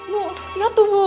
lihat tuh bu